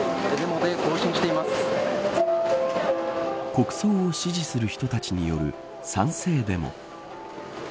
国葬を支持する人たちによる賛成デモ。